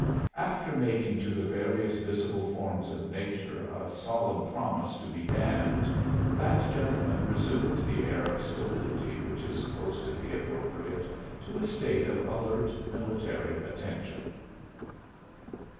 After making to the various visible forms of nature a solemn promise to be damned, that gentleman resumed the air of stolidity which is supposed to be appropriate to a state of alert military attention.